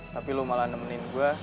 tapi lu malah nemenin gua